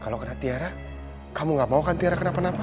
kalau kena tiara kamu gak mau kan tiara kenapa napa